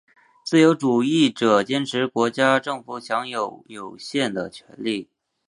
自由主义者坚持国家政府享有有限的权力。